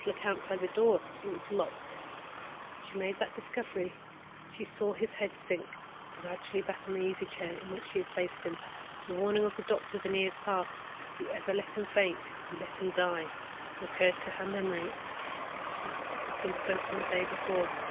Lecount tried the door: it was locked. As she made that discovery, she saw his head sink back gradually on the easy chair in which she had placed him. The warning of the doctors in past years—"If you ever let him faint, you let him die"—recurred to her memory as if it had been spoken the day before.